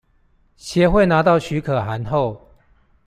協會拿到許可函後